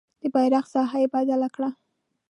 د بیرغ ساحه یې بدله کړه.